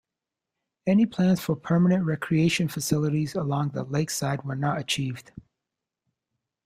Any plans for permanent recreation facilities along the lakeside were not achieved.